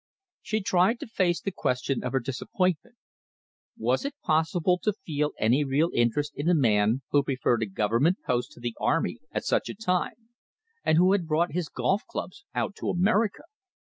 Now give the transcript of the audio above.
She tried to face the question of her disappointment. Was it possible to feel any real interest in a man who preferred a Government post to the army at such a time, and who had brought his golf clubs out to America?